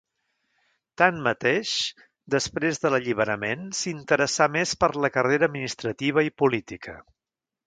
Tanmateix, després de l'Alliberament s'interessà més per la carrera administrativa i política.